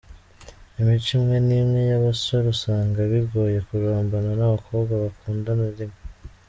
Imico imwe n’imwe y’abasore usanga bigoye kurambana n’abakobwa bakundana irimo:.